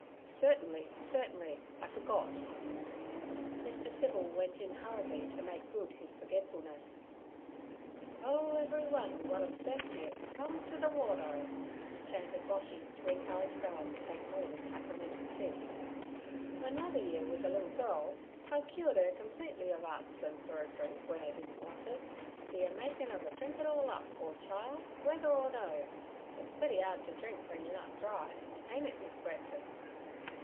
'Certainly, certainly; I forgot.' Mr. Civil went in hurriedly to make good his forgetfulness. '"Ho, everyone w'at thurstieth, come to ther water,"' chanted Boshy, to encourage Bella to take more than sacramental sips. 'W'en Lovey 'ere wus a liddle girl I cured 'er completely ov a arstin' fer a drink w'en 'er didn' wunt it, be a makin' ov 'er drink it all up—poor chile!—w'ether or no. It's putty 'ard t' drink w'en yer nut dry. Ain't it, Miss Wetson?'